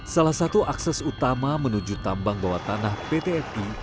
salah satu akses utama menuju tambang bawah tanah pt fi